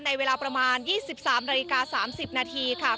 เวลาประมาณ๒๓นาฬิกา๓๐นาทีค่ะ